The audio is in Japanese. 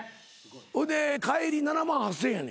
ほいで帰り７万８，０００円やねん。